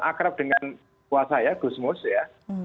akrab dengan kuasa ya gusmus ya